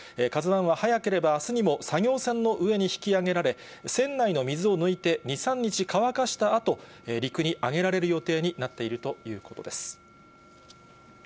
ＫＡＺＵＩは早ければあすにも、作業船の上に引き揚げられ、船内の水を抜いて２、３日乾かしたあと、陸に揚げられる予定になっているということです。